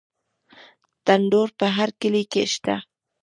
تندور په هر کلي کې شته.